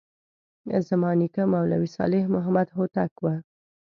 زما نیکه مولوي صالح محمد هوتک و.